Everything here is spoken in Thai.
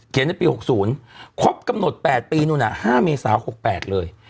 ในปี๖๐ครบกำหนด๘ปีนู้น๕เมษา๖๘เลย